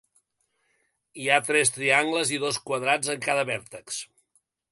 Hi ha tres triangles i dos quadrats en cada vèrtex.